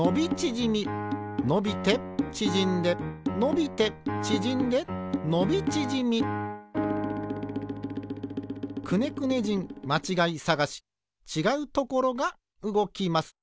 のびてちぢんでのびてちぢんでのびちぢみ「くねくね人まちがいさがし」ちがうところがうごきます。